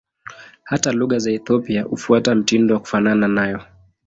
Hata lugha za Ethiopia hufuata mtindo wa kufanana nayo.